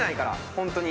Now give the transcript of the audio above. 本当に。